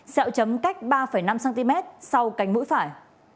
xeo chấm cách ba năm cm sau cánh mũi phải